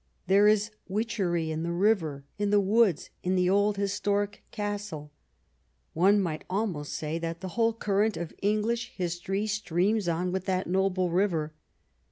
There is witchery in the river, in the woods, in the old historic Castle. One might almost say that the whole current of English history streams on with that noble river.